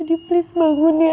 jadi please bangun ya